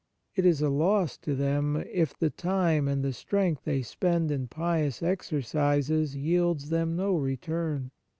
It is a loss to them, if the time and the strength they spend in pious exercises yields them no return.